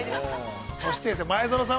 そしてですよ、前園さん